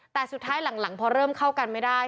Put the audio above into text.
แต่สุดท้ายหลังพอเริ่มเข้ากันไม่ได้